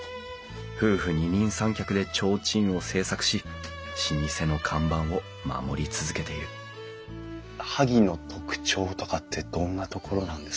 夫婦二人三脚で提灯を製作し老舗の看板を守り続けている萩の特徴とかってどんなところなんですかね？